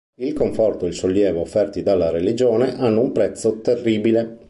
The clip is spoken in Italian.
Il conforto e il sollievo offerti dalla religione hanno un prezzo terribile.